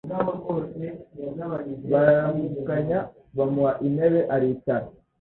Bararamukanya bamuha intebe aricara,